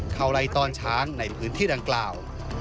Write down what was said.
เขาไล่ต้อนช้างในพื้นที่ดังกล่าว